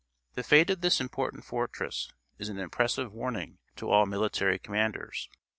The fate of this important fortress is an impressive warning to all military commanders.